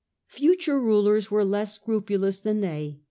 Future rulers were less scrupu lous than they.